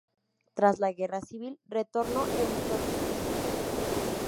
Tras la Guerra Civil, retornó al historicismo.